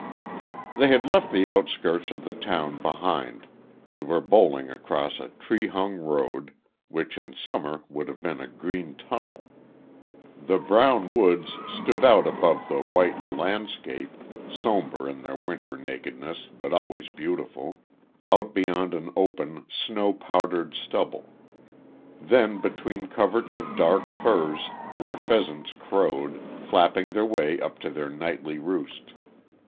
They had left the outskirts of the town behind, and were bowling along a tree hung road, which in summer would have been a green tunnel. The brown woods stood out above the whitened landscape, sombre in their winter nakedness, but always beautiful, over beyond an open, snow powdered stubble. Then between coverts of dark firs, where pheasants crowed, flapping their way up to their nightly roost.